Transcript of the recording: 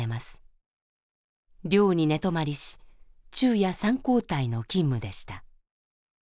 寮に寝泊まりし昼夜三交代の勤務でした。